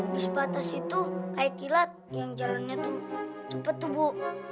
di sebatas itu kayak kilat yang jalannya tuh cepet tuh bu